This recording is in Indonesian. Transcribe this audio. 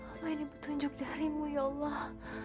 apa ini petunjuk darimu ya allah